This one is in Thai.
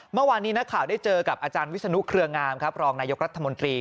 เมื่อวานนี้นักข่าวได้เจอกับอาจารย์วิศนุเครืองามครับรองนายกรัฐมนตรี